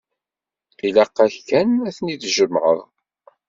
Ilaq-ak kan ad ten-id-tjemɛeḍ.